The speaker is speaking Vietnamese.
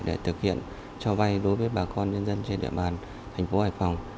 để thực hiện cho vay đối với bà con nhân dân trên địa bàn thành phố hải phòng